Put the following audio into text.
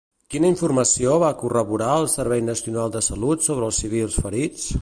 Quina informació va corroborar el Servei Nacional de Salut sobre els civils ferits?